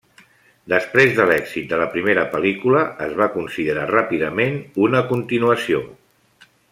Després de l'èxit de la primera pel·lícula, es va considerar ràpidament una continuació.